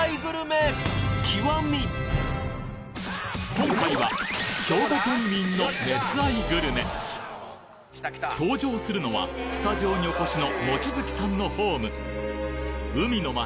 今回は兵庫県民の熱愛グルメ登場するのはスタジオにお越しの望月さんのホーム海の街